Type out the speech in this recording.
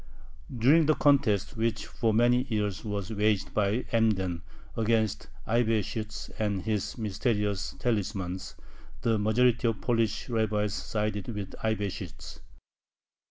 During the contest which for many years was waged by Emden against Eibeshütz and his mysterious talismans, the majority of Polish rabbis sided with Eibeshütz.